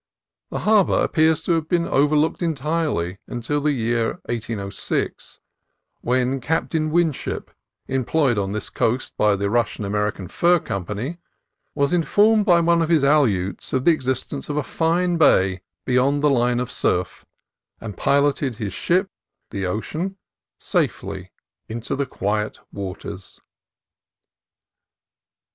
The harbor appears to have been overlooked entirely until the year 1806, when Captain Winship, employed on this coast by the Rus sian American Fur Company, was informed by one of his Aleuts of the existence of a fine bay beyond the line of surf, and piloted his ship, the Ocean, safely into the quiet waters.